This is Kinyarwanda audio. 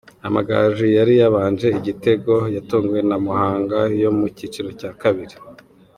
Amagaju yari yabanje igitego, yatunguwe na Muhanga yo mu cyiciro cya kabiri.